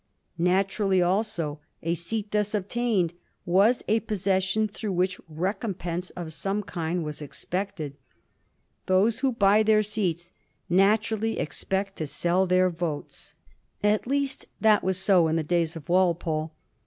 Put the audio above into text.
Naturally also a seat thus obtained was a possession through which recompense of some kind was expected. Those who buy their seats naturally expect to sell their votes ; at least that was so in the days of Walpole.